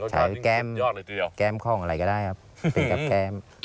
ใช่แก้มยอดเลยเดี๋ยวแก้มข้องอะไรก็ได้ครับไปกับแก้ม